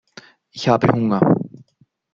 Ich habe Hunger.